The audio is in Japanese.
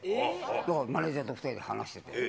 なんかマネージャーと２人で話してて。